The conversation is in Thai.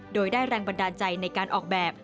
โดยได้แรงบันดาลใจในการออกแบบ